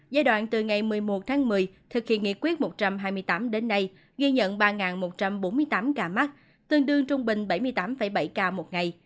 giai đoạn từ ngày một mươi một tháng một mươi thực hiện nghị quyết một trăm hai mươi tám đến nay ghi nhận ba một trăm bốn mươi tám ca mắc tương đương trung bình bảy mươi tám bảy ca một ngày